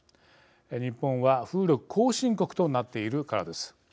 日本は風力後進国となっているからです。